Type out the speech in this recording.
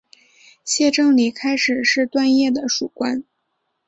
谢正礼开始是段业的属官。